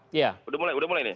sudah mulai ini